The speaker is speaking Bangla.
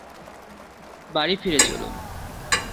বাড়ি ফিরে চলুন।